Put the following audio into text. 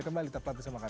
kembali tetap bersama kami